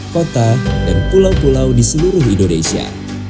kota dan pulau pulau di seluruh indonesia